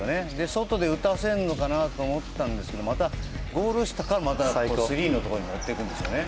外で打たせるのかなと思ったんですがまたゴール下からスリーのところに持っていくんですよね。